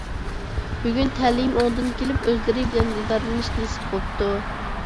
بۈگۈن تەلىيىم ئوڭدىن كېلىپ ئۆزلىرى بىلەن دىدارلىشىش نېسىپ بوپتۇ!